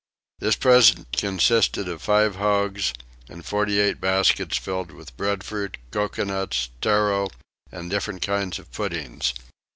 This present consisted of five hogs, and forty eight baskets filled with breadfruit, coconuts, tarro, and different kinds of puddings.